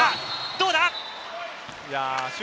どうだ？